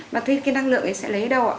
mà tuy cái năng lượng ấy sẽ lấy đâu ạ